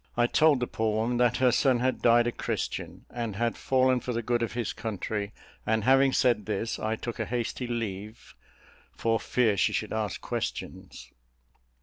I told the poor woman that her son had died a Christian, and had fallen for the good of his country; and having said this, I took a hasty leave, for fear she should ask questions.